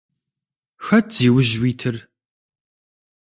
Хэт зиужь уитыр?